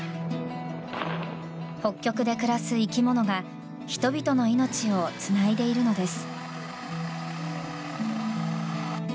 北極で暮らす生き物が人々の命をつないでいるのです。